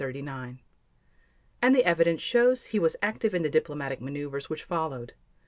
And the evidence shows he was active in the diplomatic maneuvers which followed.